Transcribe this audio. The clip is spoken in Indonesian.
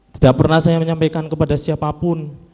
tidak pernah saya menyampaikan kepada siapapun